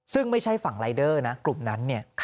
ซึ่งไม่ใช่ฝั่งรายเดอร์นะกลุ่มนั้นเนี่ย